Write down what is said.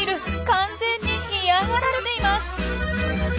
完全に嫌がられています。